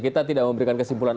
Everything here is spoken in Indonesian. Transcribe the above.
kita tidak memberikan kesimpulan